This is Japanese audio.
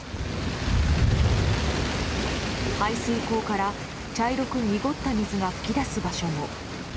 排水溝から茶色く濁った水が噴き出す場所も。